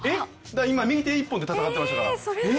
今、右手一本で戦ってましたから。